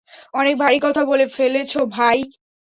অনেক ভারী কথা বলে ফেলেছো ভাই।